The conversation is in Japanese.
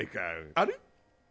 あれ？